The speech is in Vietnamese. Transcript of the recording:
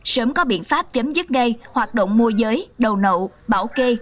sớm có biện pháp chấm dứt ngay hoạt động môi giới đầu nậu bảo kê